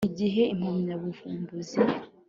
Igihe impamyabuvumbuzi .